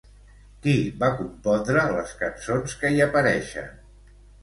Qui va compondre les cançons que hi apareixen?